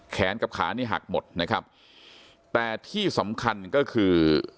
กับขานี่หักหมดนะครับแต่ที่สำคัญก็คือ